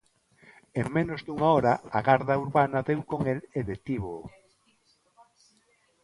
En menos dunha hora a garda urbana deu con el e detívoo.